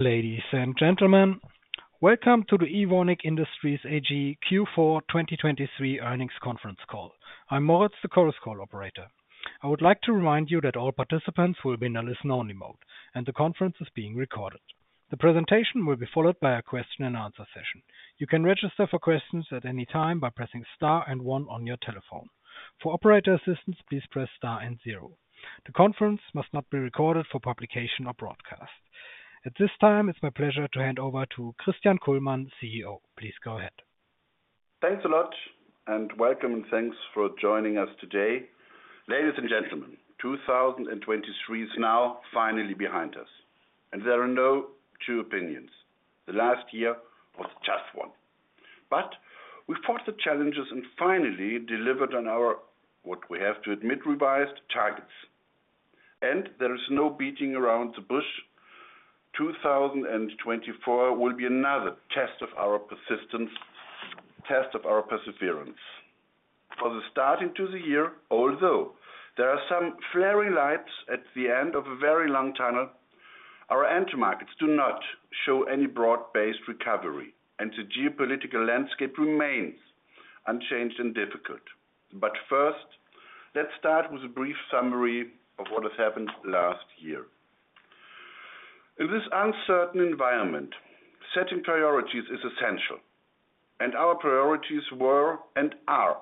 Ladies and gentlemen, welcome to the Evonik Industries AG Q4 2023 earnings conference call. I'm Moritz, the conference call operator. I would like to remind you that all participants will be in a listen-only mode, and the conference is being recorded. The presentation will be followed by a question-and-answer session. You can register for questions at any time by pressing star and one on your telephone. For operator assistance, please press star and zero. The conference must not be recorded for publication or broadcast. At this time, it's my pleasure to hand over to Christian Kullmann, CEO. Please go ahead. Thanks a lot, and welcome, and thanks for joining us today. Ladies and gentlemen, 2023 is now finally behind us, and there are no two opinions. The last year was just one. But we fought the challenges and finally delivered on our, what we have to admit, revised targets. And there is no beating around the bush, 2024 will be another test of our persistence, test of our perseverance. For the start into the year, although there are some flaring lights at the end of a very long tunnel, our end markets do not show any broad-based recovery, and the geopolitical landscape remains unchanged and difficult. But first, let's start with a brief summary of what has happened last year. In this uncertain environment, setting priorities is essential, and our priorities were and are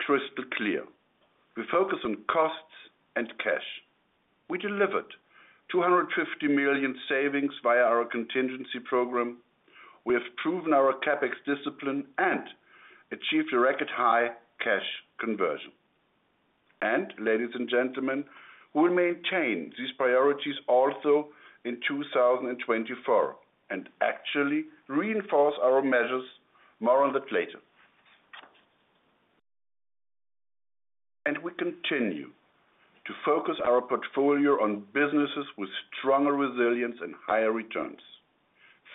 crystal clear. We focus on costs and cash. We delivered 250 million savings via our contingency program. We have proven our CapEx discipline and achieved a record high cash conversion. Ladies and gentlemen, we maintain these priorities also in 2024, and actually reinforce our measures. More on that later. We continue to focus our portfolio on businesses with stronger resilience and higher returns.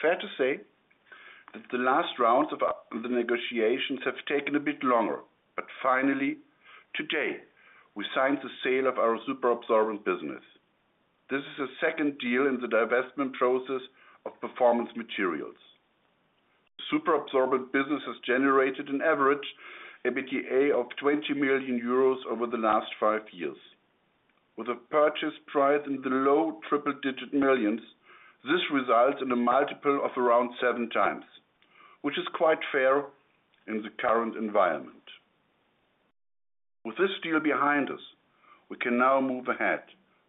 Fair to say, that the last round of the negotiations have taken a bit longer, but finally, today, we signed the sale of our Superabsorbents business. This is the second deal in the divestment process of Performance Materials. Superabsorbents business has generated an average EBITDA of 20 million euros over the last five years. With a purchase price in the low triple-digit millions EUR, this results in a multiple of around 7 times, which is quite fair in the current environment. With this deal behind us, we can now move ahead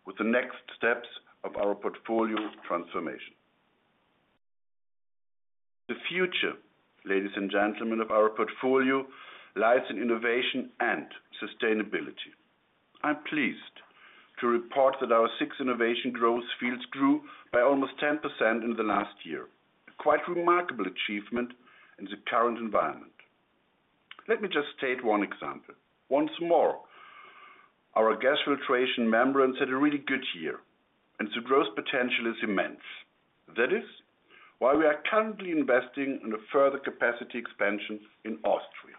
with the next steps of our portfolio transformation. The future, ladies and gentlemen, of our portfolio, lies in innovation and sustainability. I'm pleased to report that our six innovation growth fields grew by almost 10% in the last year. A quite remarkable achievement in the current environment. Let me just state one example. Once more, our Gas Filtration Membranes had a really good year, and the growth potential is immense. That is why we are currently investing in a further capacity expansion in Austria.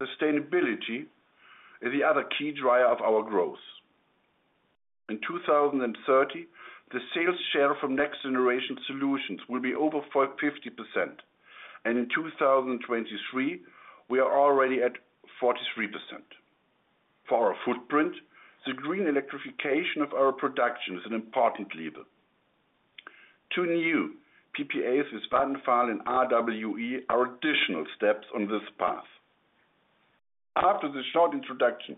Sustainability is the other key driver of our growth. In 2030, the sales share from Next-Generation Solutions will be over 50%, and in 2023, we are already at 43%. For our footprint, the green electrification of our production is an important lever. Two new PPAs with Vattenfall and RWE are additional steps on this path. After this short introduction,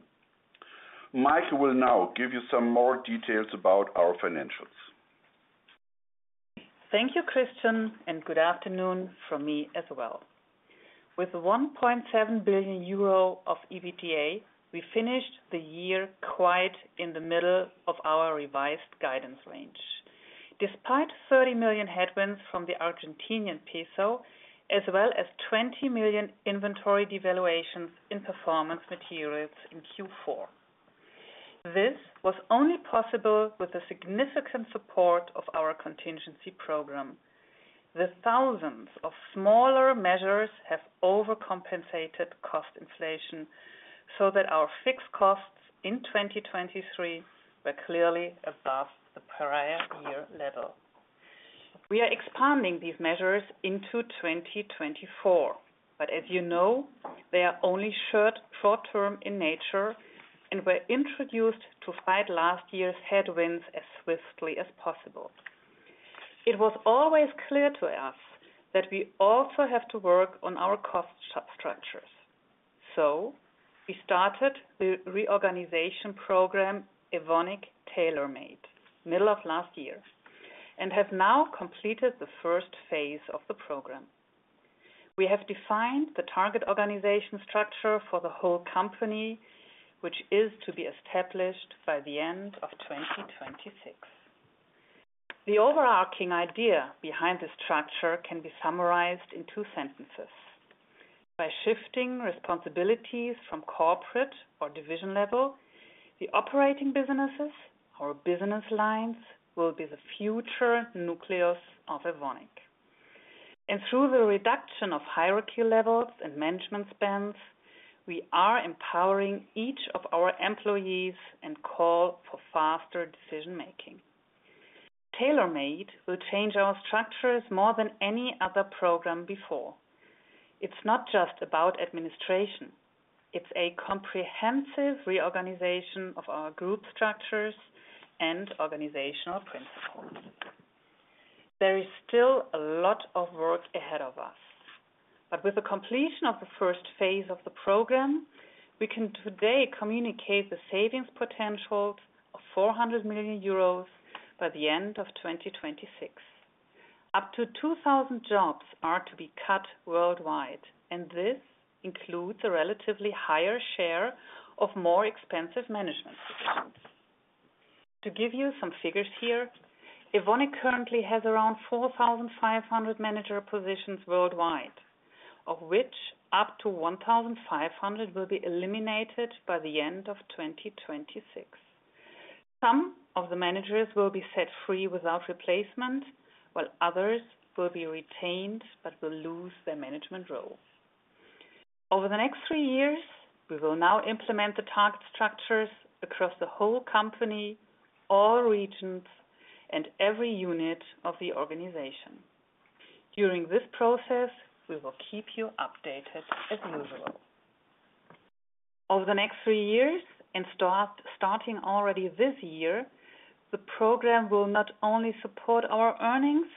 Maike will now give you some more details about our financials. Thank you, Christian, and good afternoon from me as well. With 1.7 billion euro of EBITDA, we finished the year quite in the middle of our revised guidance range. Despite 30 million headwinds from the Argentinian peso, as well as 20 million inventory devaluations in performance materials in Q4, this was only possible with the significant support of our contingency program. The thousands of smaller measures have overcompensated cost inflation so that our fixed costs in 2023 were clearly above the prior year level. We are expanding these measures into 2024, but as you know, they are only short, short-term in nature and were introduced to fight last year's headwinds as swiftly as possible. It was always clear to us that we also have to work on our cost substructures. We started the reorganization program, Evonik Tailor Made, middle of last year, and have now completed the first phase of the program. We have defined the target organization structure for the whole company, which is to be established by the end of 2026. The overarching idea behind this structure can be summarized in two sentences: by shifting responsibilities from corporate or division level, the operating businesses or business lines will be the future nucleus of Evonik. Through the reduction of hierarchy levels and management spans, we are empowering each of our employees and call for faster decision-making. Tailor Made will change our structures more than any other program before. It's not just about administration, it's a comprehensive reorganization of our group structures and organizational principles. There is still a lot of work ahead of us, but with the completion of the first phase of the program, we can today communicate the savings potential of 400 million euros by the end of 2026. Up to 2,000 jobs are to be cut worldwide, and this includes a relatively higher share of more expensive management positions. To give you some figures here, Evonik currently has around 4,500 manager positions worldwide, of which up to 1,500 will be eliminated by the end of 2026. Some of the managers will be set free without replacement, while others will be retained but will lose their management roles. Over the next 3 years, we will now implement the target structures across the whole company, all regions, and every unit of the organization. During this process, we will keep you updated as usual. Over the next 3 years, starting already this year, the program will not only support our earnings,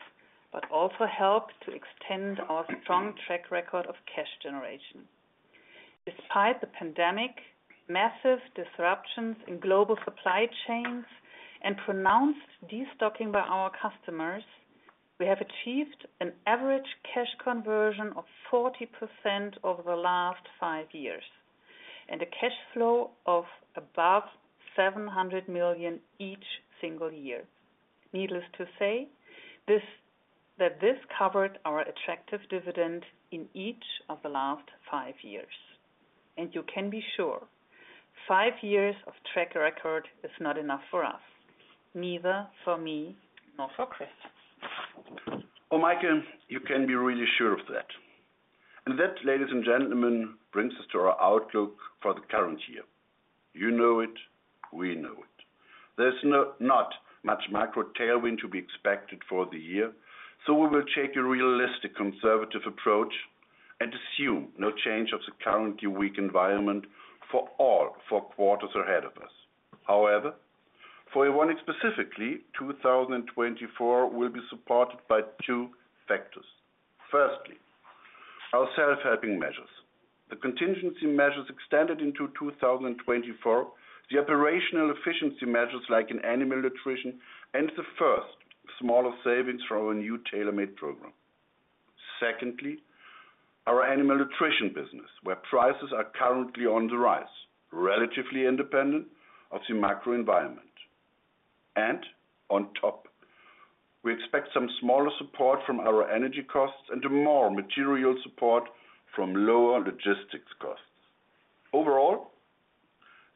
but also help to extend our strong track record of cash generation. Despite the pandemic, massive disruptions in global supply chains, and pronounced destocking by our customers, we have achieved an average cash conversion of 40% over the last 5 years, and a cash flow of above 700 million each single year. Needless to say, that this covered our attractive dividend in each of the last 5 years. You can be sure, 5 years of track record is not enough for us, neither for me nor for Chris. Oh, Maike, you can be really sure of that. And that, ladies and gentlemen, brings us to our outlook for the current year. You know it, we know it. There's not much macro tailwind to be expected for the year, so we will take a realistic, conservative approach and assume no change of the currently weak environment for all four quarters ahead of us. However, for Evonik specifically, 2024 will be supported by two factors. Firstly, our self-helping measures. The contingency measures extended into 2024, the operational efficiency measures, like in Animal Nutrition, and the first smaller savings from our new Tailor Made program. Secondly, our Animal Nutrition business, where prices are currently on the rise, relatively independent of the macro environment. And on top, we expect some smaller support from our energy costs and a more material support from lower logistics costs.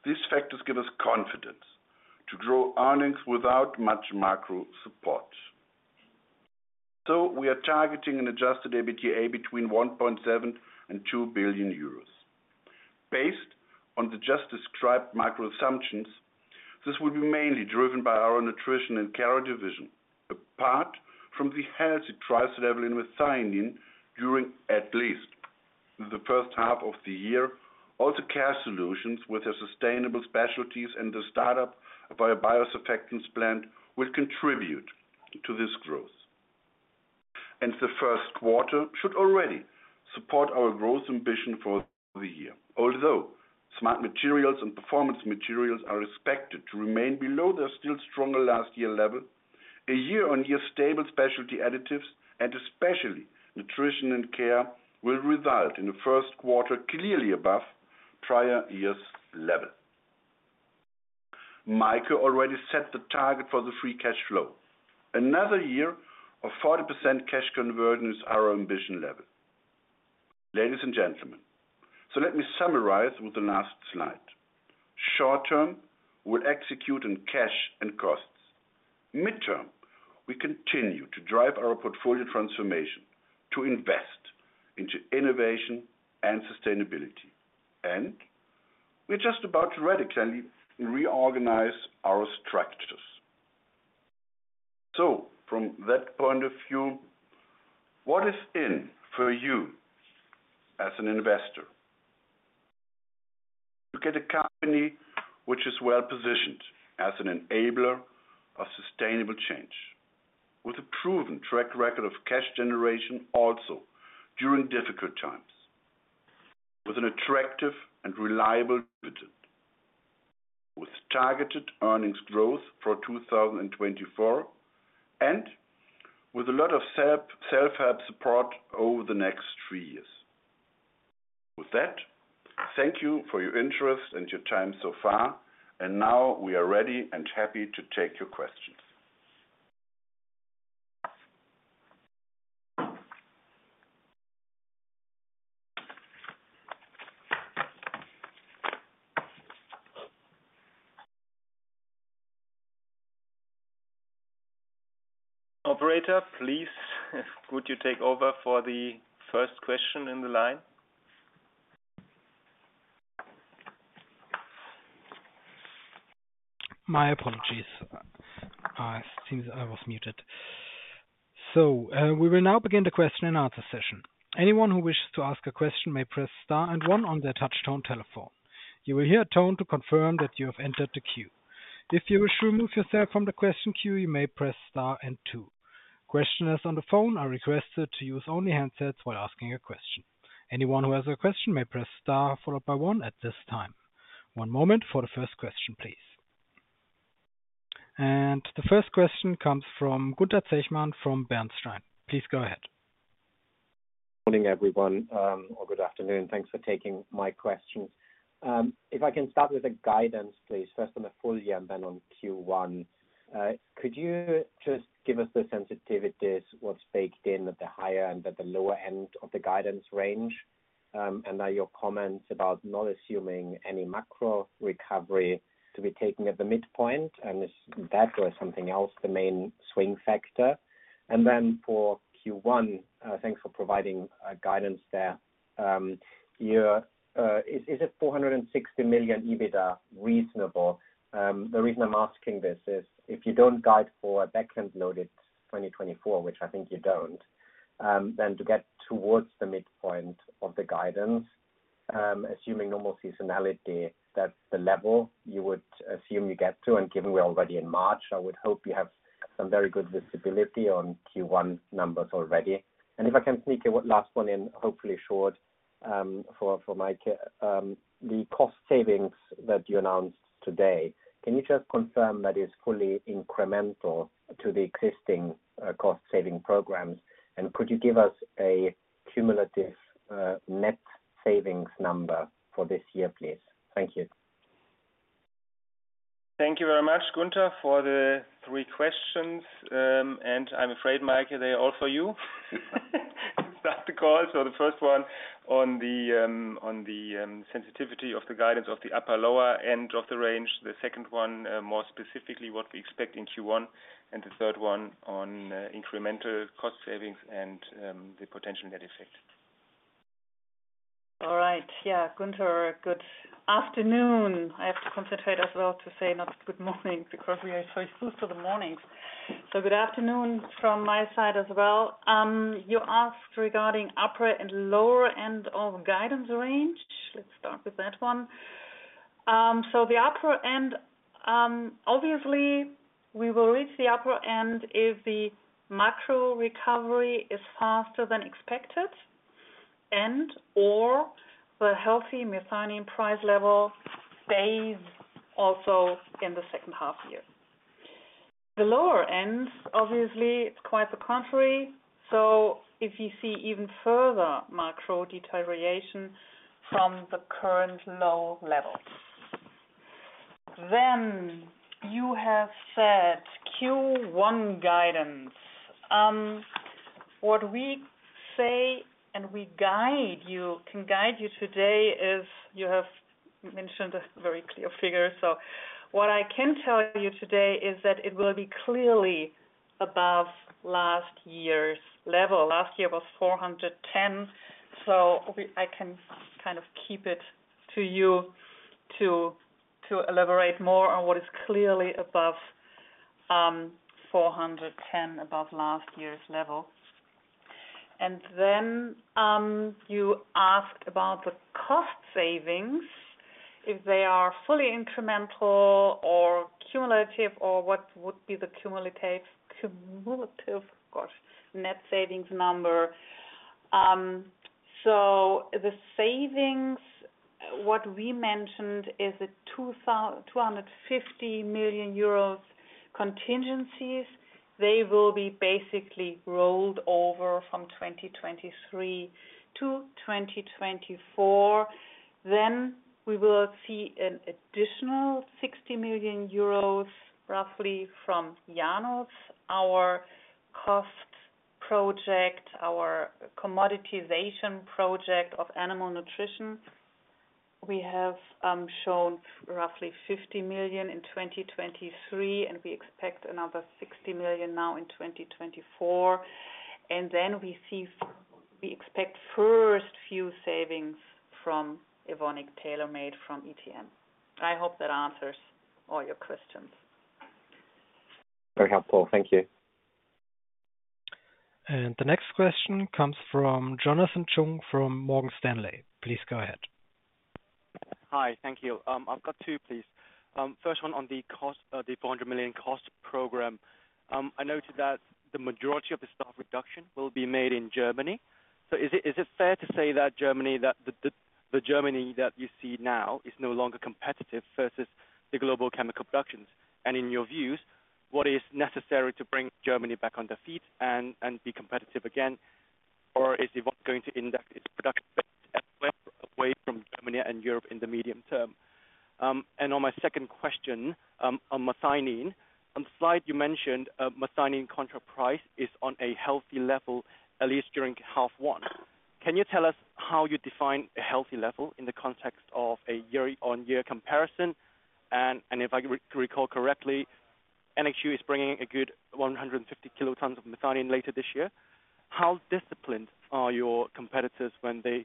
Overall, these factors give us confidence to grow earnings without much macro support. We are targeting an adjusted EBITDA between 1.7 billion and 2 billion euros. Based on the just described macro assumptions, this will be mainly driven by our Nutrition and Care division. Apart from the healthy price level in methionine during at least the first half of the year, also Care Solutions with their sustainable specialties and the startup of our biosurfactants plant will contribute to this growth. The first quarter should already support our growth ambition for the year. Although Smart Materials and Performance Materials are expected to remain below their still stronger last year level, a year-on-year stable Specialty Additives, and especially Nutrition and Care, will result in the first quarter clearly above prior year's level. Maike already set the target for the free cash flow. Another year of 40% cash conversion is our ambition level. Ladies and gentlemen, so let me summarize with the last slide. Short term, we'll execute on cash and costs. Midterm, we continue to drive our portfolio transformation to invest into innovation and sustainability, and we're just about to radically reorganize our structures. So from that point of view, what is in for you as an investor? You get a company which is well-positioned as an enabler of sustainable change, with a proven track record of cash generation also during difficult times, with an attractive and reliable dividend, with targeted earnings growth for 2024, and with a lot of self, self-help support over the next three years. With that, thank you for your interest and your time so far, and now we are ready and happy to take your questions. Operator, please, could you take over for the first question in the line? My apologies. I think I was muted. So, we will now begin the question-and-answer session. Anyone who wishes to ask a question may press star and one on their touchtone telephone. You will hear a tone to confirm that you have entered the queue. If you wish to remove yourself from the question queue, you may press star and two. Questioners on the phone are requested to use only handsets while asking a question. Anyone who has a question may press star followed by one at this time. One moment for the first question, please. And the first question comes from Gunther Zechmann from Bernstein. Please go ahead. Morning, everyone, or good afternoon. Thanks for taking my questions. If I can start with the guidance, please, first on the full year and then on Q1. Could you just give us the sensitivities, what's baked in at the higher end, at the lower end of the guidance range? And are your comments about not assuming any macro recovery to be taken at the midpoint, and is that or something else, the main swing factor? And then for Q1, thanks for providing guidance there. Yeah, is it 460 million EBITDA reasonable? The reason I'm asking this is, if you don't guide for a back end loaded 2024, which I think you don't, then to get towards the midpoint of the guidance, assuming normal seasonality, that's the level you would assume you get to. Given we're already in March, I would hope you have some very good visibility on Q1 numbers already. And if I can sneak a last one in, hopefully short, for Maike. The cost savings that you announced today, can you just confirm that it's fully incremental to the existing, cost saving programs? And could you give us a cumulative, net savings number for this year, please? Thank you. Thank you very much, Gunther, for the three questions. And I'm afraid, Maike, they're all for you. Start the call. So the first one on the sensitivity of the guidance of the upper, lower end of the range. The second one, more specifically, what we expect in Q1. And the third one on incremental cost savings and the potential net effect. All right. Yeah, Gunther, good afternoon. I have to concentrate as well to say not good morning, because we are so close to the mornings. So good afternoon from my side as well. You asked regarding upper and lower end of guidance range. Let's start with that one. So the upper end, obviously, we will reach the upper end if the macro recovery is faster than expected, and/or the healthy methionine price level stays also in the second half year. The lower end, obviously, it's quite the contrary, so if you see even further macro deterioration from the current low levels. Then you have said Q1 guidance. What we say, and we can guide you today, is you have mentioned a very clear figure. So what I can tell you today is that it will be clearly above last year's level. Last year was 410, so I can kind of keep it to you to elaborate more on what is clearly above 410, above last year's level. And then you asked about the cost savings, if they are fully incremental or cumulative, or what would be the cumulative, gosh, net savings number. So the savings, what we mentioned, is a 250 million euros contingencies. They will be basically rolled over from 2023-2024. Then we will see an additional 60 million euros, roughly from Janus, our cost project, our commoditization project of Animal Nutrition. We have shown roughly 50 million in 2023, and we expect another 60 million now in 2024. And then we see we expect first few savings from Evonik Tailor Made from ETM. I hope that answers all your questions. Very helpful. Thank you. The next question comes from Jonathan Chung, from Morgan Stanley. Please go ahead. Hi, thank you. I've got two, please. First one on the cost, the 400 million cost program. I noted that the majority of the staff reduction will be made in Germany. So is it fair to say that Germany that you see now is no longer competitive versus the global chemical productions? And in your views, what is necessary to bring Germany back on their feet and be competitive again? Or is Evonik going to inch its production away from Germany and Europe in the medium term? And on my second question, on methionine. On the slide, you mentioned a methionine contract price is on a healthy level, at least during half one. Can you tell us how you define a healthy level in the context of a year-on-year comparison? If I recall correctly, NHU is bringing a good 150 KT of methionine later this year. How disciplined are your competitors when they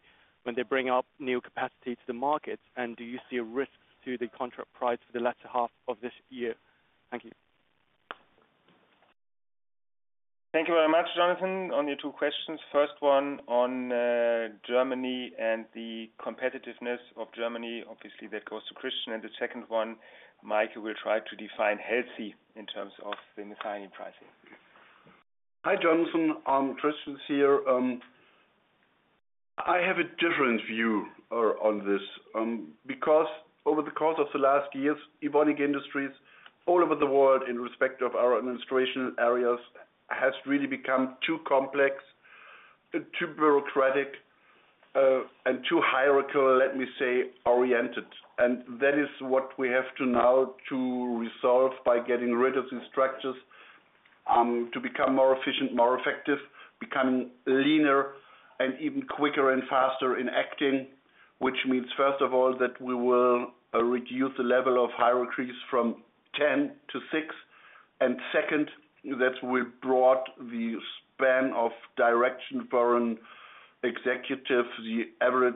bring up new capacity to the market? Do you see a risk to the contract price for the latter half of this year? Thank you. Thank you very much, Jonathan. On your two questions, first one on Germany and the competitiveness of Germany, obviously, that goes to Christian. And the second one, Maike will try to define healthy in terms of the methionine pricing. Hi, Jonathan, Christian here. I have a different view on this because over the course of the last years, Evonik Industries, all over the world, in respect of our administration areas, has really become too complex and too bureaucratic and too hierarchical, let me say, oriented. And that is what we have to now to resolve by getting rid of the structures to become more efficient, more effective, become leaner, and even quicker and faster in acting. Which means, first of all, that we will reduce the level of hierarchies from 10-6, and second, that we brought the span of direction foreign executive, the average,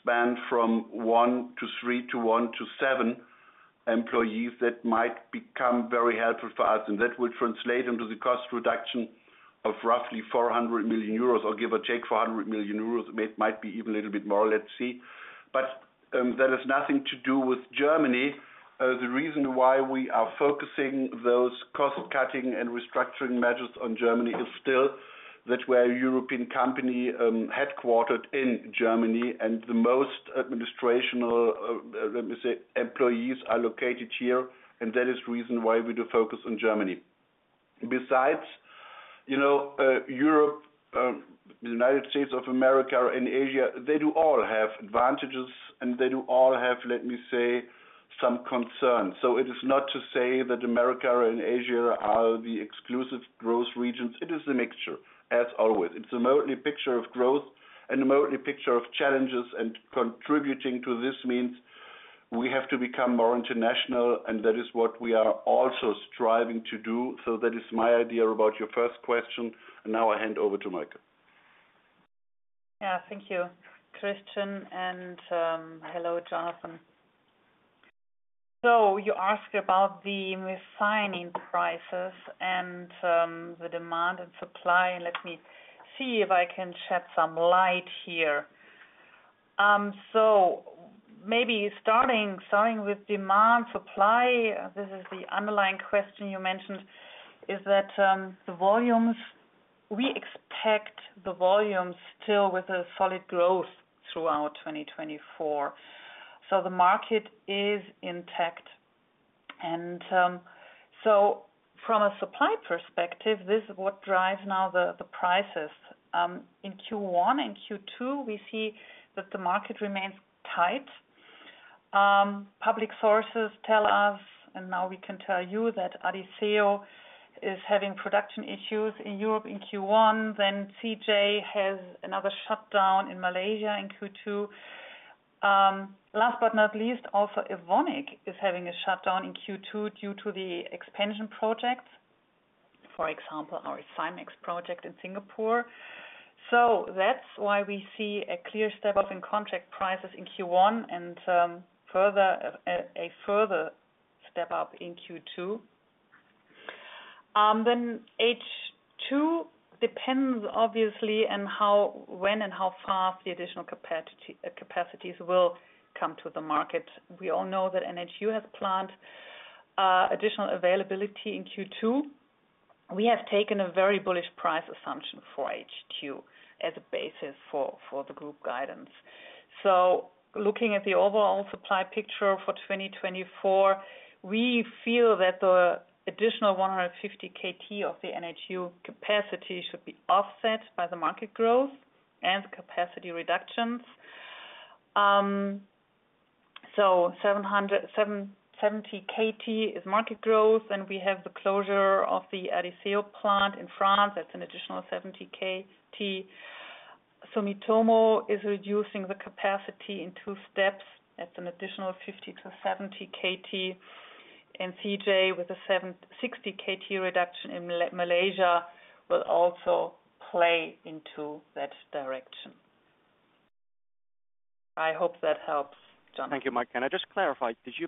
span from 1-3 to 1-7 employees. That might become very helpful for us, and that will translate into the cost reduction of roughly 400 million euros, or give or take 400 million euros. It might be even a little bit more, let's see. But that has nothing to do with Germany. The reason why we are focusing those cost-cutting and restructuring measures on Germany is still that we're a European company, headquartered in Germany, and the most administrative, let me say, employees are located here, and that is the reason why we do focus on Germany. Besides, you know, Europe, the United States of America and Asia, they do all have advantages, and they do all have, let me say, some concerns. So it is not to say that America and Asia are the exclusive growth regions. It is a mixture, as always. It's a mostly picture of growth and mostly picture of challenges, and contributing to this means we have to become more international, and that is what we are also striving to do. So that is my idea about your first question, and now I hand over to Maike. Yeah. Thank you, Christian, and hello, Jonathan. So you ask about the methionine prices and the demand and supply. Let me see if I can shed some light here. So maybe starting with demand, supply, this is the underlying question you mentioned, is that the volumes. We expect the volumes still with a solid growth throughout 2024. So the market is intact. And so from a supply perspective, this is what drives now the prices. In Q1 and Q2, we see that the market remains tight. Public sources tell us, and now we can tell you, that Adisseo is having production issues in Europe in Q1, then CJ has another shutdown in Malaysia in Q2. Last but not least, also, Evonik is having a shutdown in Q2 due to the expansion projects. For example, our Simex project in Singapore. So that's why we see a clear step-up in contract prices in Q1 and, further, further step-up in Q2. Then H2 depends, obviously, on how, when, and how fast the additional capacity, capacities will come to the market. We all know that NHU has planned additional availability in Q2. We have taken a very bullish price assumption for H2 as a basis for the group guidance. So looking at the overall supply picture for 2024, we feel that the additional 150 KT of the NHU capacity should be offset by the market growth and capacity reductions. So, 770 KT is market growth, and we have the closure of the Adisseo Plant in France. That's an additional 70 KT. Sumitomo is reducing the capacity in two steps. That's an additional 50 KT-70 KT, and CJ, with a 760 KT reduction in Malaysia, will also play into that direction. I hope that helps. Thank you, Maike. Can I just clarify? Did you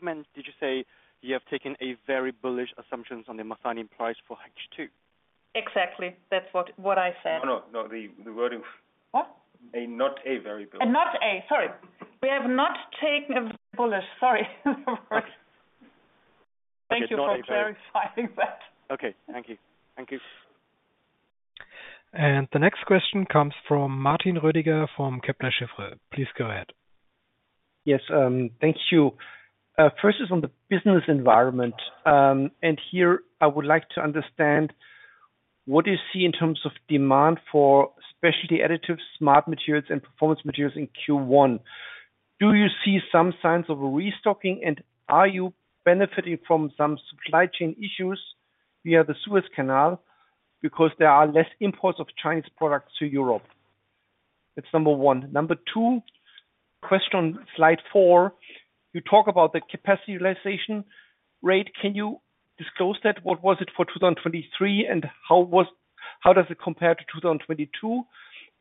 say you have taken a very bullish assumptions on the methionine price for H2? Exactly. That's what I said. No, no, no. The wording- What? Ah, not a very bullish. Sorry. We have not taken a bullish, sorry. Okay. Thank you for verifying that. Okay, thank you. Thank you. The next question comes from Martin Roediger from Kepler Cheuvreux. Please go ahead. Yes, thank you. First is on the business environment. And here I would like to understand, what do you see in terms of demand for Specialty Additives, Smart Materials, and Performance Materials in Q1? Do you see some signs of restocking, and are you benefiting from some supply chain issues via the Suez Canal, because there are fewer imports of Chinese products to Europe? That's number 1. Number 2, question, slide 4, you talk about the capacity utilization rate. Can you disclose that? What was it for 2023, and how does it compare to 2022?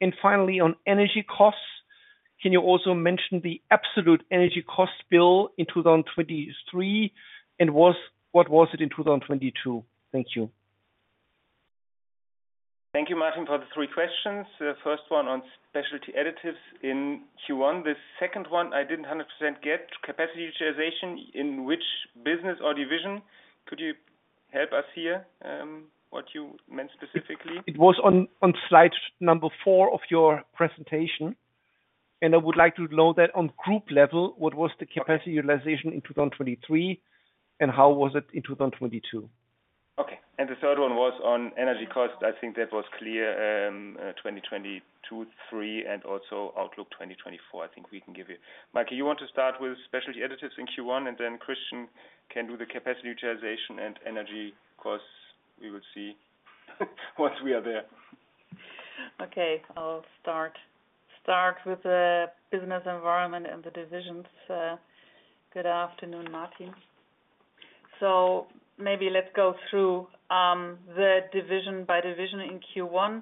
And finally, on energy costs, can you also mention the absolute energy cost bill in 2023, and what was it in 2022? Thank you. Thank you, Martin, for the three questions. The first one on Specialty Additives in Q1. The second one, I didn't 100% get, capacity utilization, in which business or division? Could you help us here, what you meant specifically? It was on slide number 4 of your presentation. I would like to know that on group level, what was the capacity utilization in 2023, and how was it in 2022? Okay. And the third one was on energy costs. I think that was clear, 2022, 2023, and also outlook 2024. I think we can give you. Maike, you want to start with Specialty Additives in Q1, and then Christian can do the capacity utilization and energy costs. We will see once we are there. Okay, I'll start with the business environment and the divisions. Good afternoon, Martin. So maybe let's go through the division by division in Q1.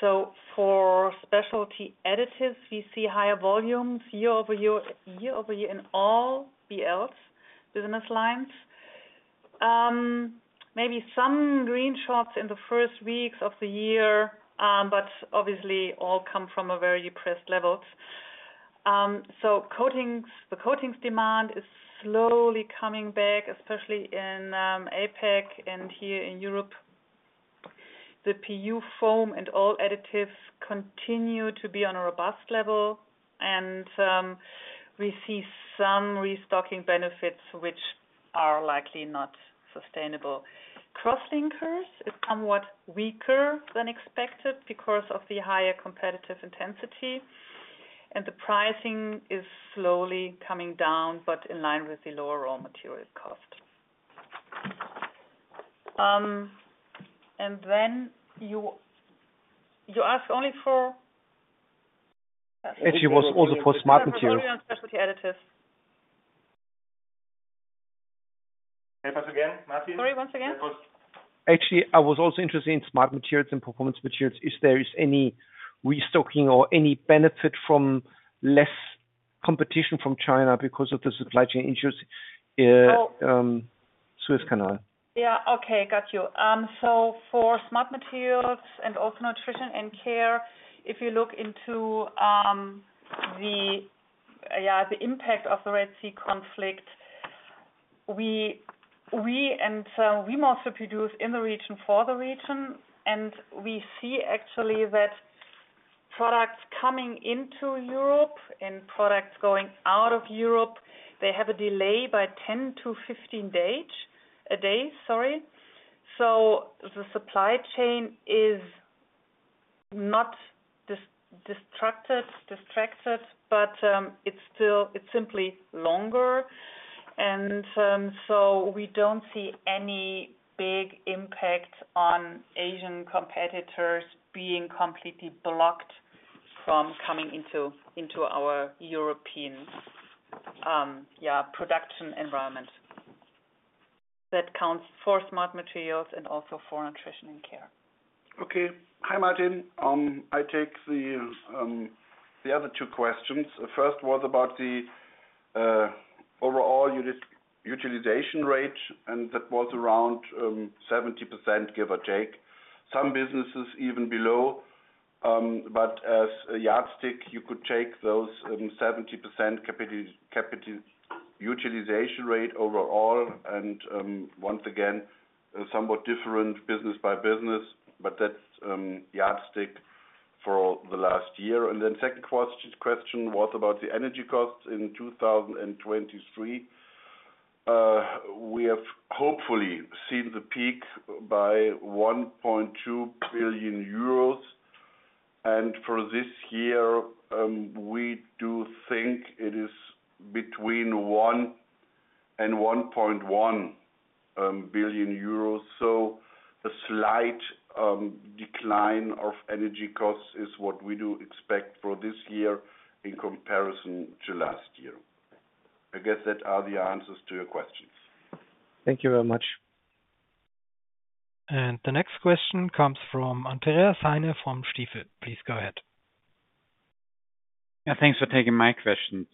So for Specialty Additives, we see higher volumes year-over-year in all BLs, business lines. Maybe some green shoots in the first weeks of the year, but obviously all come from a very depressed levels. So coatings, the coatings demand is slowly coming back, especially in APAC and here in Europe. The PU Foam and all additives continue to be on a robust level, and we see some restocking benefits which are likely not sustainable. Crosslinkers is somewhat weaker than expected because of the higher competitive intensity, and the pricing is slowly coming down, but in line with the lower raw material cost. And then you ask only for? Actually, it was also for Smart Materials. Specialty additives. Say that again, Martin? Sorry, once again. Say it once. Actually, I was also interested in Smart Materials and Performance Materials. If there is any restocking or any benefit from less competition from China because of the supply chain issues, Suez Canal? Yeah, okay, got you. So for Smart Materials and also Nutrition & Care, if you look into the impact of the Red Sea conflict, we mostly produce in the region, for the region, and we see actually that products coming into Europe and products going out of Europe, they have a delay by 10-15 days, sorry. So the supply chain is not disrupted, but it's still, it's simply longer. And so we don't see any big impact on Asian competitors being completely blocked from coming into our European production environment. That counts for Smart Materials and also for Nutrition & Care. Okay. Hi, Martin. I take the other two questions. The first was about the overall utilization rate, and that was around 70%, give or take. Some businesses even below, but as a yardstick, you could take those 70% capacity utilization rate overall, and once again, somewhat different business by business, but that's yardstick for the last year. Then the second question was about the energy costs in 2023. We have hopefully seen the peak by 1.2 billion euros, and for this year, we do think it is between 1 billion and 1.1 billion. So a slight decline of energy costs is what we do expect for this year in comparison to last year. I guess that are the answers to your questions. Thank you very much. The next question comes from Andreas Heine from Stifel. Please go ahead. Yeah, thanks for taking my questions.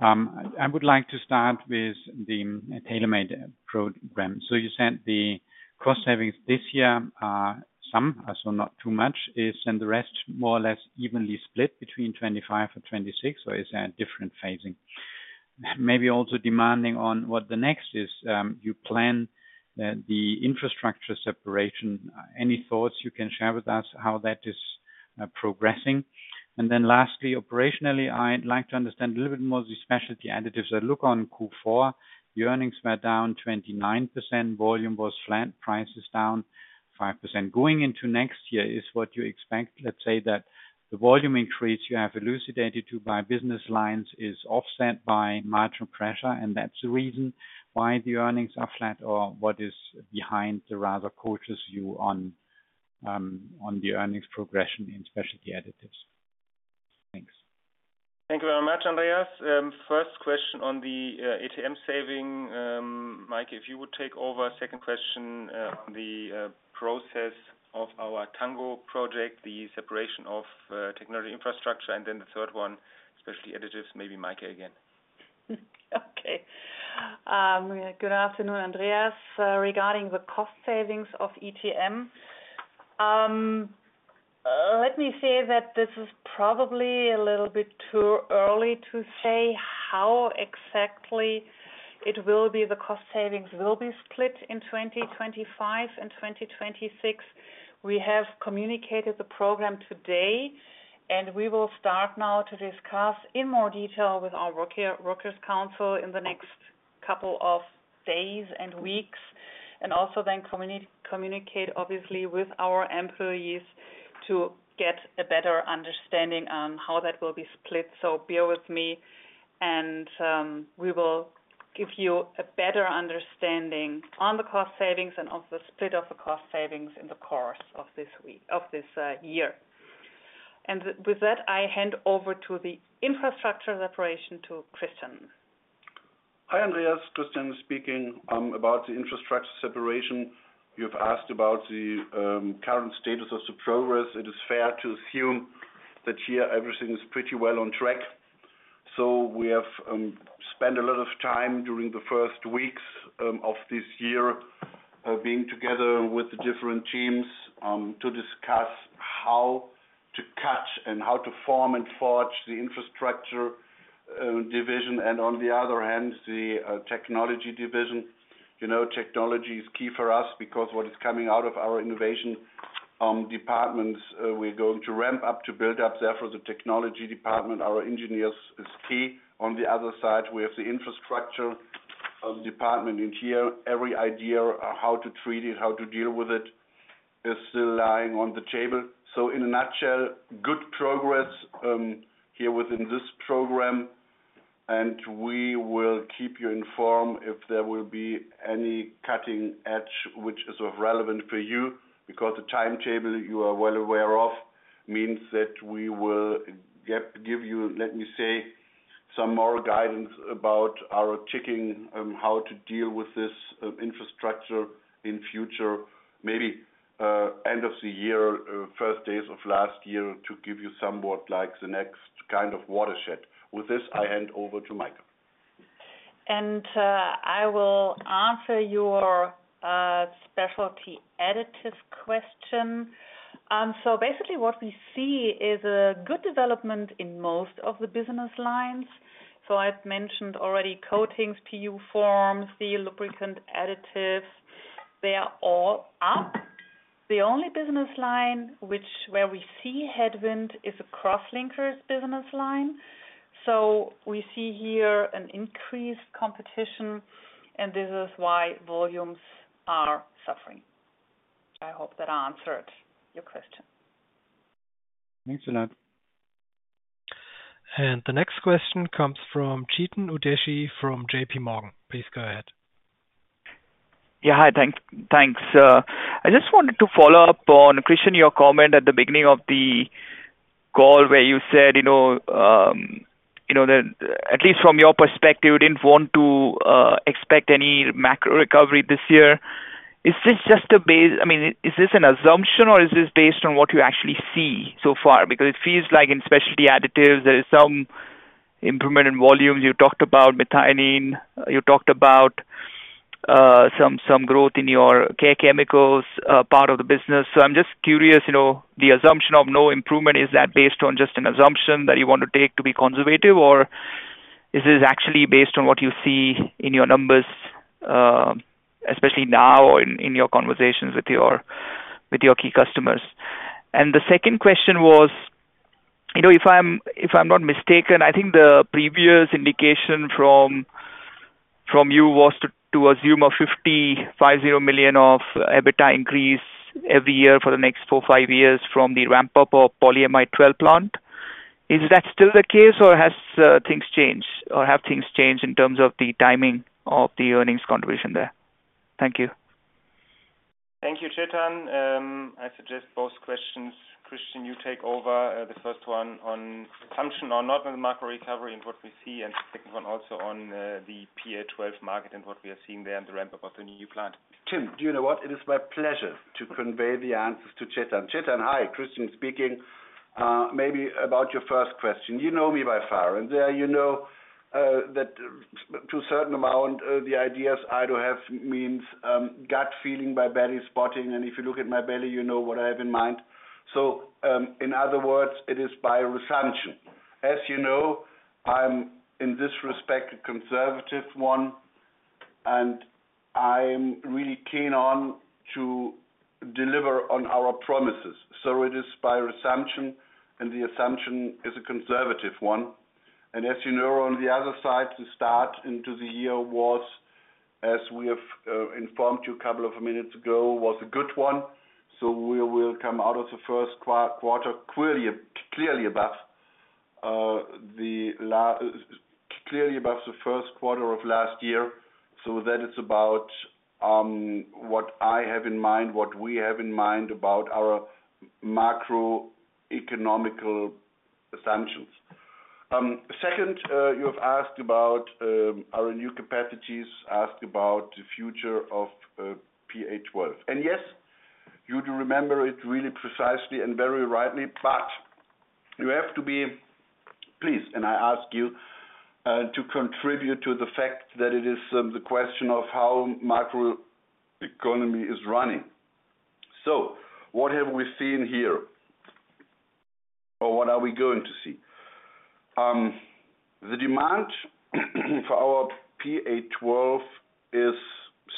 I would like to start with the Tailor Made program. So you said the cost savings this year are some, so not too much, and the rest, more or less evenly split between 2025 and 2026, or is a different phasing? Maybe also depending on what the next is, you plan the infrastructure separation. Any thoughts you can share with us how that is progressing? And then lastly, operationally, I'd like to understand a little bit more the Specialty Additives. I look on Q4, your earnings were down 29%, volume was flat, price is down 5%. Going into next year is what you expect, let's say that the volume increase you have elucidated to by business lines is offset by margin pressure, and that's the reason why the earnings are flat, or what is behind the rather cautious view on the earnings progression in Specialty Additives? Thanks. Thank you very much, Andreas. First question on the ETM saving. Maike, if you would take over. Second question, on the process of our Tango project, the separation of technology infrastructure. And then the third one, Specialty Additives, maybe Maike again. Okay. Good afternoon, Andreas. Regarding the cost savings of ETM, let me say that this is probably a little bit too early to say how exactly it will be, the cost savings will be split in 2025 and 2026. We have communicated the program today, and we will start now to discuss in more detail with our works council in the next couple of days and weeks, and also then communicate obviously with our employees to get a better understanding on how that will be split. So bear with me, and we will give you a better understanding on the cost savings and of the split of the cost savings in the course of this year. With that, I hand over to the infrastructure separation to Christian. Hi, Andreas, Christian speaking. About the infrastructure separation, you've asked about the current status of the progress. It is fair to assume that here everything is pretty well on track. So we have spent a lot of time during the first weeks of this year being together with the different teams to discuss how to catch and how to form and forge the infrastructure division, and on the other hand, the technology division. You know, technology is key for us because what is coming out of our innovation departments we're going to ramp up to build up. Therefore, the technology department, our engineers, is key. On the other side, we have the infrastructure department, and here, every idea on how to treat it, how to deal with it, is still lying on the table. So in a nutshell, good progress here within this program, and we will keep you informed if there will be any cutting edge which is of relevant for you, because the timetable you are well aware of means that we will give you, let me say, some more guidance about our ticking, how to deal with this infrastructure in future. Maybe end of the year, first days of last year, to give you somewhat like the next kind of watershed. With this, I hand over to Maike. I will answer your specialty additives question. So basically what we see is a good development in most of the business lines. So I've mentioned already, coatings, PU foams, the lubricant additives, they are all up. The only business line which, where we see headwind is a crosslinkers business line. So we see here an increased competition, and this is why volumes are suffering. I hope that answered your question. Thanks a lot. The next question comes from Chetan Udashi from JPMorgan. Please go ahead. Yeah, hi, thanks. I just wanted to follow up on, Christian, your comment at the beginning of the call where you said, you know, you know, that at least from your perspective, you didn't want to expect any macro recovery this year. Is this just a base, I mean, is this an assumption or is this based on what you actually see so far? Because it feels like in Specialty Additives, there is some improvement in volumes. You talked about methionine, you talked about some growth in your care chemicals part of the business. So I'm just curious, you know, the assumption of no improvement, is that based on just an assumption that you want to take to be conservative? Or is this actually based on what you see in your numbers, especially now in, in your conversations with your, with your key customers? And the second question was, you know, if I'm, if I'm not mistaken, I think the previous indication from, from you was to, to assume a 550 million EBITDA increase every year for the next 4-5 years from the ramp-up of Polyamide 12 Plant. Is that still the case, or has things changed, or have things changed in terms of the timing of the earnings contribution there? Thank you. Thank you, Chetan. I suggest both questions, Christian. You take over the first one on assumption or not on the macro recovery and what we see, and the second one also on the PA 12 market and what we are seeing there in the ramp-up of the new plant. Chetan, do you know what? It is my pleasure to convey the answers to Chetan. Hi, Christian speaking. Maybe about your first question. You know me by far, and there you know, that to a certain amount, the ideas I do have means, gut feeling by belly spotting. And if you look at my belly, you know what I have in mind. So, in other words, it is by assumption. As you know, I'm, in this respect, a conservative one, and I'm really keen on to deliver on our promises. So it is by assumption, and the assumption is a conservative one. And as you know, on the other side, the start into the year was, as we have informed you a couple of minutes ago, was a good one. So, we will come out of the first quarter clearly, clearly above, the clearly above the first quarter of last year. So that is about, what I have in mind, what we have in mind about our macroeconomic assumptions. Second, you have asked about, our new capacities, asked about the future of, PA 12. And yes, you do remember it really precisely and very rightly, but you have to be pleased, and I ask you, to contribute to the fact that it is, the question of how macroeconomy is running. So what have we seen here? Or what are we going to see? The demand for our PA 12 is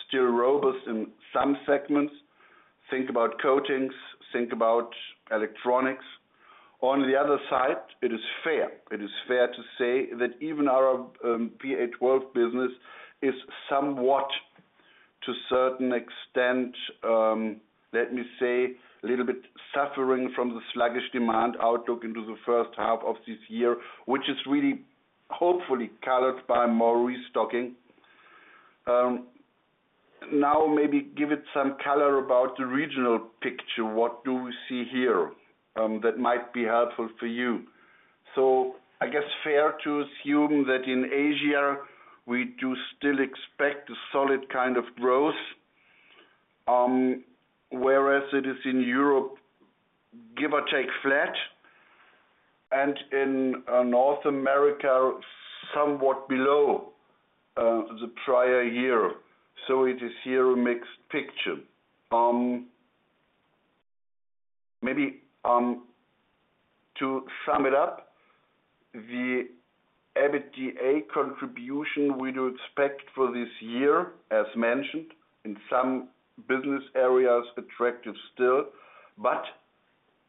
still robust in some segments. Think about coatings, think about electronics. On the other side, it is fair, it is fair to say that even our PA 12 business is somewhat, to certain extent, let me say, a little bit suffering from the sluggish demand outlook into the first half of this year, which is really hopefully colored by more restocking. Now maybe give it some color about the regional picture. What do we see here that might be helpful for you? So I guess fair to assume that in Asia, we do still expect a solid kind of growth, whereas it is in Europe, give or take, flat, and in North America, somewhat below the prior year. So it is here a mixed picture. Maybe to sum it up, the EBITDA contribution we do expect for this year, as mentioned, in some business areas, attractive still. But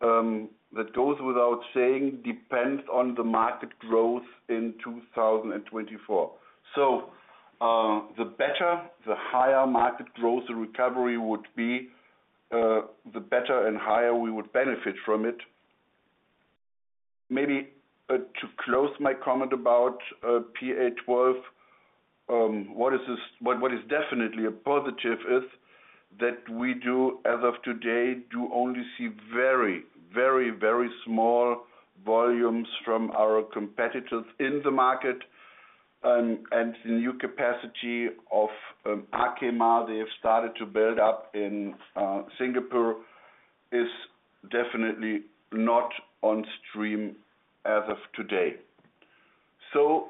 that goes without saying, depends on the market growth in 2024. So, the better, the higher market growth the recovery would be, the better and higher we would benefit from it. Maybe to close my comment about PA 12, what is definitely a positive is that we do, as of today, do only see very, very, very small volumes from our competitors in the market. And the new capacity of Arkema, they have started to build up in Singapore, is definitely not on stream as of today. So,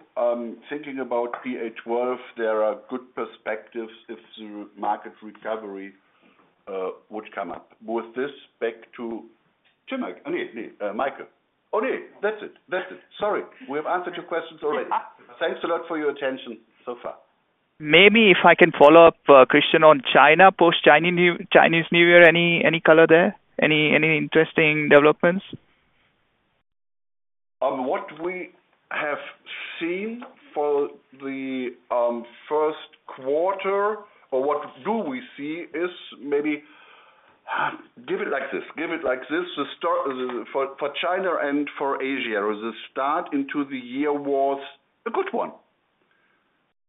thinking about PA 12, there are good perspectives if the market recovery would come up. With this, back to Tim, Maike. Okay, that's it. That's it. Sorry. We have answered your questions already. Thanks a lot for your attention so far. Maybe if I can follow up, Christian, on China, post Chinese New Year, any color there? Any interesting developments? What we have seen for the first quarter or what do we see is maybe, give it like this, give it like this. The start, for, for China and for Asia, the start into the year was a good one.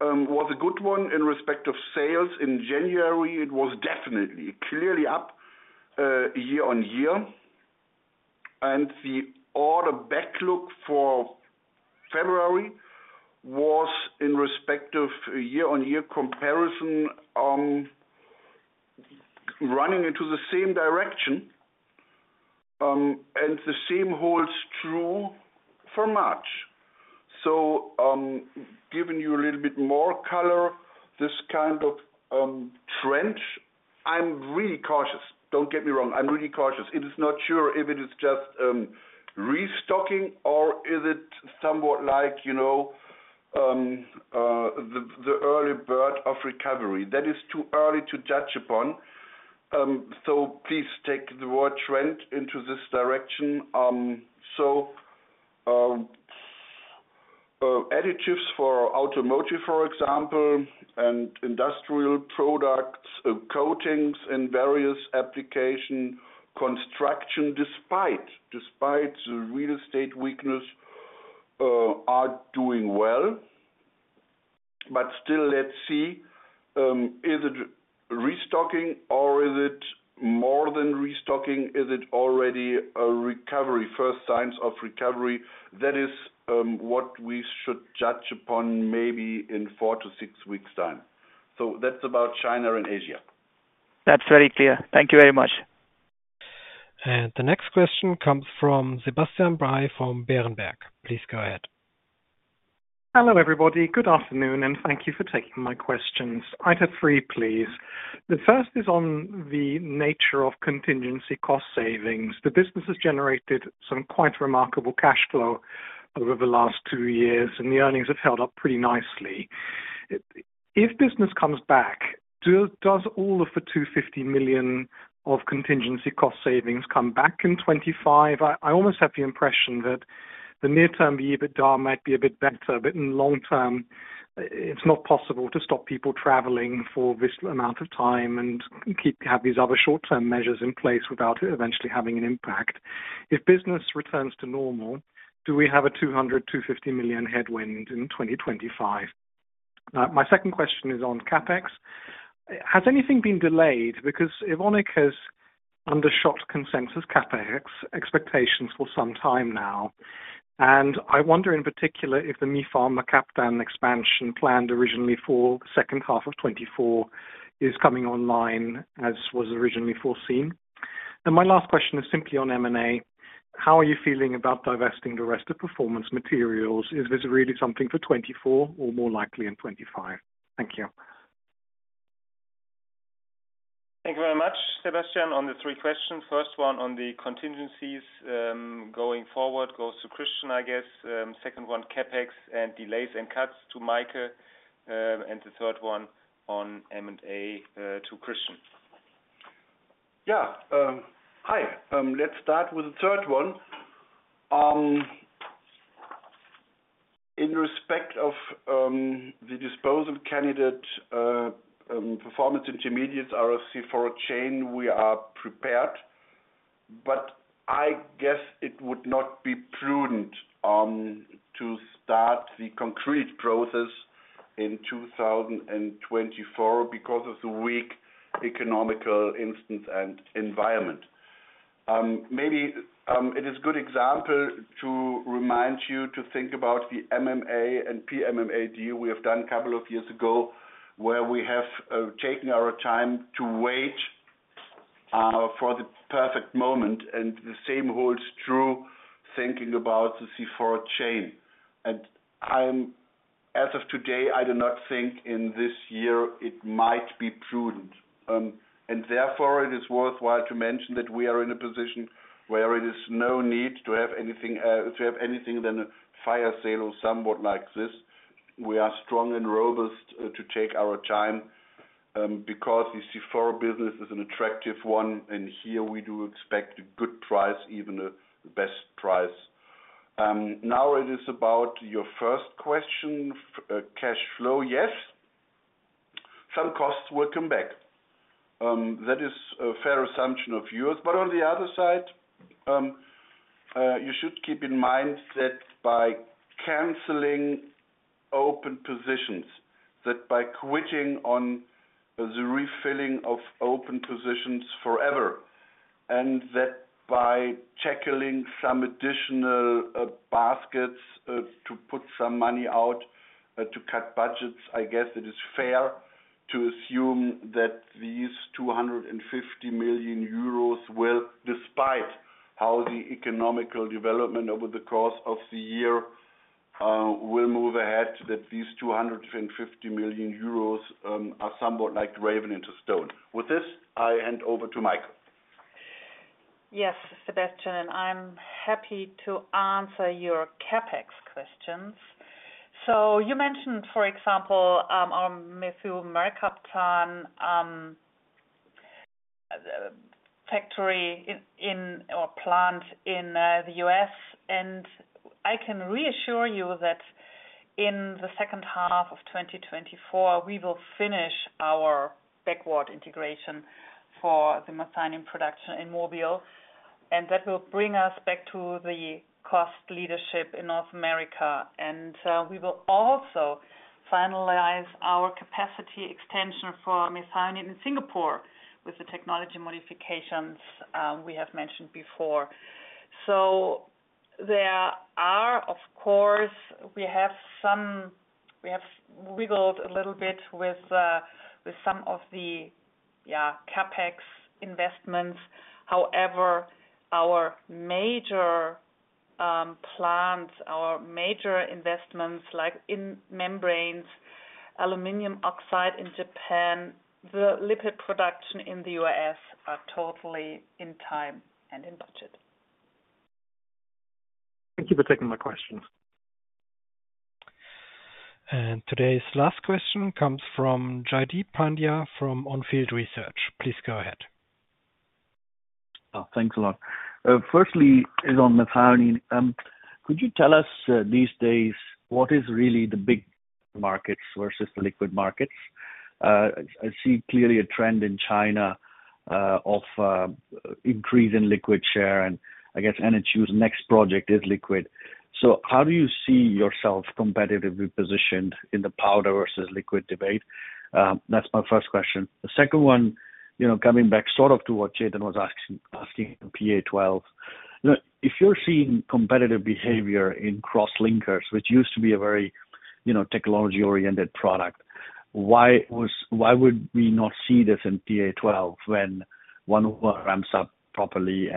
Was a good one in respect of sales. In January, it was definitely clearly up, year-over-year, and the order backlog for February was in respect of a year-over-year comparison, running into the same direction, and the same holds true for March. So, giving you a little bit more color, this kind of trend, I'm really cautious. Don't get me wrong, I'm really cautious. It is not sure if it is just restocking or is it somewhat like, you know, the, the early bird of recovery. That is too early to judge upon. So please take the word trend into this direction. So, additives for automotive, for example, and industrial products, coatings and various application, construction, despite, despite the real estate weakness, are doing well. But still, let's see, is it restocking or is it more than restocking? Is it already a recovery, first signs of recovery? That is, what we should judge upon maybe in 4-6 weeks' time. So that's about China and Asia. That's very clear. Thank you very much. And the next question comes from Sebastian Bray from Berenberg. Please go ahead. Hello, everybody. Good afternoon, and thank you for taking my questions. I have three, please. The first is on the nature of contingency cost savings. The business has generated some quite remarkable cash flow over the last two years, and the earnings have held up pretty nicely. If business comes back, does all of the 250 million of contingency cost savings come back in 2025? I almost have the impression that the near-term EBITDA might be a bit better, but in the long term, it's not possible to stop people traveling for this amount of time and keep these other short-term measures in place without it eventually having an impact. If business returns to normal, do we have a 200 million, 250 million headwind in 2025? My second question is on CapEx. Has anything been delayed? Because Evonik has undershot consensus CapEx expectations for some time now, and I wonder in particular if the methyl mercaptan expansion planned originally for second half of 2024 is coming online as was originally foreseen. My last question is simply on M&A. How are you feeling about divesting the rest of performance materials? Is this really something for 2024 or more likely in 2025? Thank you. Thank you very much, Sebastian, on the three questions. First one, on the contingencies, going forward, goes to Christian, I guess. Second one, CapEx and delays and cuts to Maike. And the third one on M&A, to Christian. Yeah, hi. Let's start with the third one. In respect of the disposal candidate, performance intermediates, C4 value chain, we are prepared, but I guess it would not be prudent to start the concrete process in 2024 because of the weak economic environment. Maybe it is good example to remind you to think about the MMA and PMMA deal we have done a couple of years ago, where we have taken our time to wait for the perfect moment, and the same holds true thinking about the C4 value chain. As of today, I do not think in this year it might be prudent. Therefore it is worthwhile to mention that we are in a position where it is no need to have anything to have anything than a fire sale or somewhat like this. We are strong and robust to take our time, because the Superabsorbents business is an attractive one, and here we do expect a good price, even the best price. Now it is about your first question, cash flow. Yes, some costs will come back. That is a fair assumption of yours. But on the other side, you should keep in mind that by canceling open positions, that by quitting on the refilling of open positions forever, and that by tackling some additional, baskets, to put some money out, to cut budgets, I guess it is fair to assume that these 250 million euros will, despite how the economic development over the course of the year, will move ahead, that these 250 million euros, are somewhat like graven into stone. With this, I hand over to Maike. Yes, Sebastian, I'm happy to answer your CapEx questions. So you mentioned, for example, Methyl mercaptan factory in, or plant in, the U.S., and I can reassure you that in the second half of 2024, we will finish our backward integration for the methionine production in Mobile. And that will bring us back to the cost leadership in North America. And we will also finalize our capacity extension for methionine in Singapore with the technology modifications we have mentioned before. So there are of course, we have some, we have wiggled a little bit with some of the CapEx investments. However, our major plants, our major investments, like in membranes, aluminum oxide in Japan, the lipid production in the U.S., are totally in time and in budget. Thank you for taking my questions. Today's last question comes from Jaideep Pandya, from On Field Research. Please go ahead. Thanks a lot. First, this is on methionine. Could you tell us these days what is really the big markets versus the liquid markets? I see clearly a trend in China of increase in liquid share, and I guess NHU's next project is liquid. So how do you see yourself competitively positioned in the powder versus liquid debate? That's my first question. The second one, you know, coming back sort of to what Jaideep was asking PA 12. Now, if you're seeing competitive behavior in cross linkers, which used to be a very you know technology-oriented product, why would we not see this in PA 12 when one ramps up properly?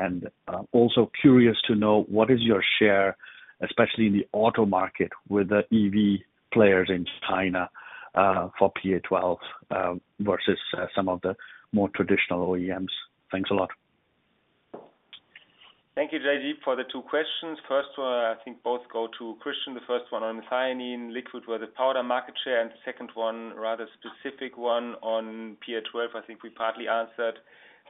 Also curious to know what is your share, especially in the auto market, with the EV players in China, for PA 12, versus some of the more traditional OEMs? Thanks a lot. Thank you, Jaideep, for the two questions. First one, I think both go to Christian. The first one on methionine, liquid, where the powder market share, and the second one, rather specific one on PA 12, I think we partly answered.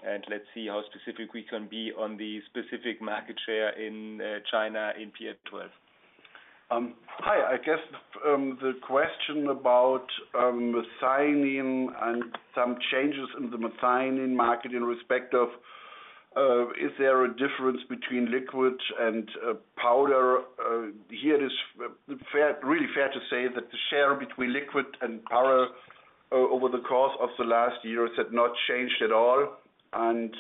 And let's see how specific we can be on the specific market share in China in PA 12. Hi, I guess, the question about methionine and some changes in the methionine market in respect of, is there a difference between liquid and powder? Here it is fair, really fair to say that the share between liquid and powder over the course of the last years had not changed at all. And,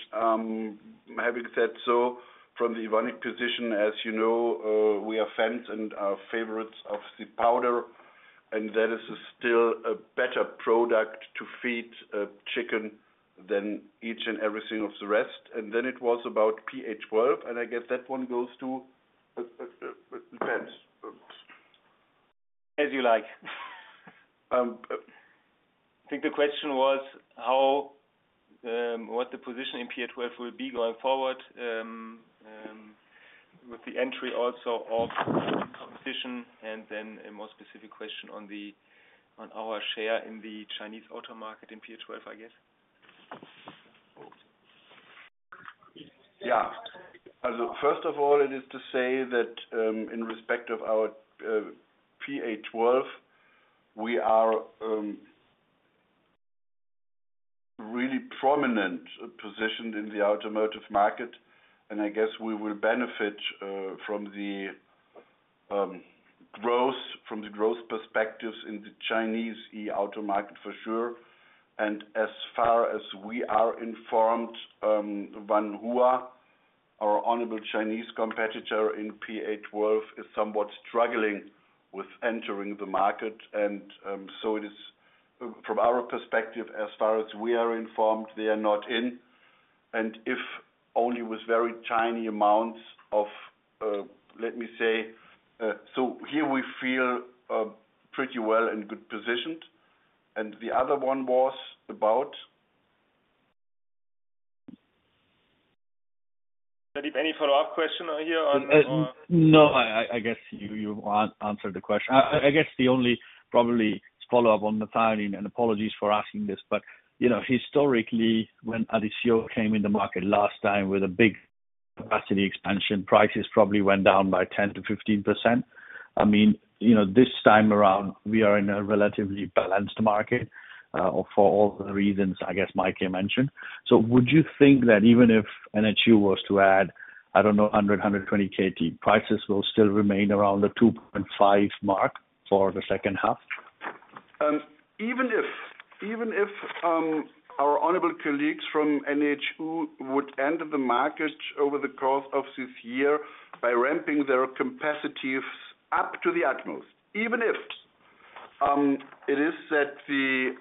having said so, from the Evonik position, as you know, we are fans and are favorites of the powder, and that is still a better product to feed chicken than each and every single of the rest. And then it was about PA 12, and I guess that one goes to Tim. As you like. I think the question was how, what the position in PA 12 will be going forward, with the entry also of competition, and then a more specific question on the, on our share in the Chinese auto market in PA 12, I guess. Yeah. First of all, it is to say that, in respect of our PA 12, we are really prominent positioned in the automotive market, and I guess we will benefit from the growth perspectives in the Chinese EV auto market for sure. And as far as we are informed, Wanhua, our honorable Chinese competitor in PA 12, is somewhat struggling with entering the market. So it is, from our perspective, as far as we are informed, they are not in. And if only with very tiny amounts of, let me say, so here we feel pretty well and good positioned. And the other one was about? Any follow-up question here on- No, I guess you answered the question. I guess the only probable follow-up on the timing, and apologies for asking this, but you know, historically, when Adisseo came in the market last time with a big capacity expansion, prices probably went down by 10%-15%. I mean, you know, this time around, we are in a relatively balanced market for all the reasons I guess Maike mentioned. So would you think that even if NHU was to add, I don't know, 100 KT-120 KT, prices will still remain around the 2.5 mark for the second half? Even if, even if, our honorable colleagues from NHU would enter the market over the course of this year by ramping their capacities up to the utmost, even if, it is that the,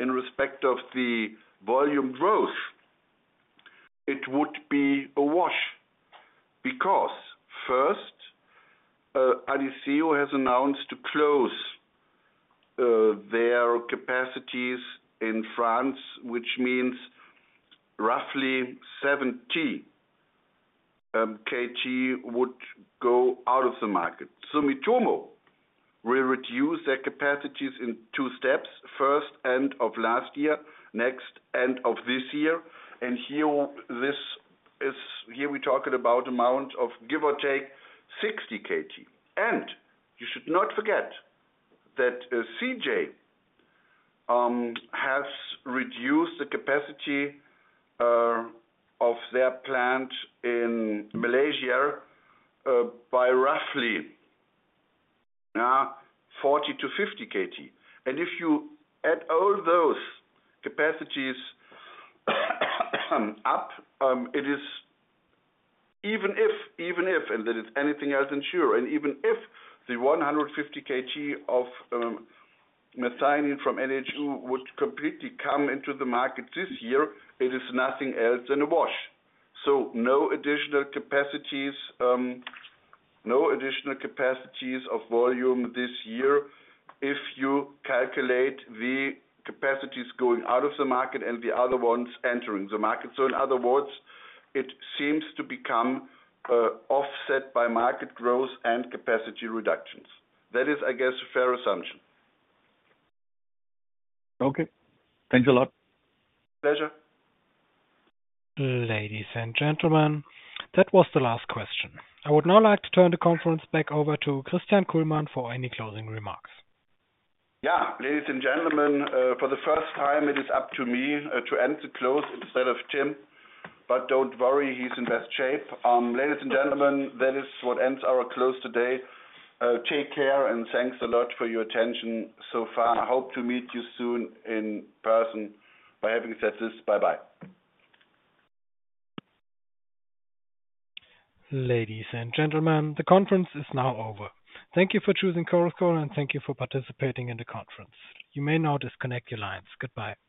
in respect of the volume growth, it would be a wash. Because, first, Adisseo has announced to close their capacities in France, which means roughly 70 KT would go out of the market. Sumitomo will reduce their capacities in two steps, first, end of last year, next, end of this year. And here, we're talking about an amount of, give or take, 60 KT. And you should not forget that, CJ has reduced the capacity of their plant in Malaysia by roughly 40 KT-50 KT. And if you add all those capacities up, even if, and there is anything else ensure, and even if the 150 KT of methionine from NHU would completely come into the market this year, it is nothing else than a wash. So no additional capacities, no additional capacities of volume this year if you calculate the capacities going out of the market and the other ones entering the market. So in other words, it seems to become offset by market growth and capacity reductions. That is, I guess, a fair assumption. Okay. Thanks a lot. Pleasure. Ladies and gentlemen, that was the last question. I would now like to turn the conference back over to Christian Kullmann for any closing remarks. Yeah, ladies and gentlemen, for the first time, it is up to me to end the close instead of Tim. But don't worry, he's in best shape. Ladies and gentlemen, that is what ends our close today. Take care, and thanks a lot for your attention so far. I hope to meet you soon in person. By having said this, bye-bye. Ladies and gentlemen, the conference is now over. Thank you for choosing Chorus Call, and thank you for participating in the conference. You may now disconnect your lines. Goodbye.